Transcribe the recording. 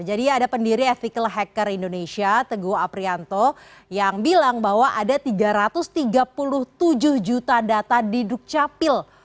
jadi ada pendiri ethical hacker indonesia teguh aprianto yang bilang bahwa ada tiga ratus tiga puluh tujuh juta data di dukcapil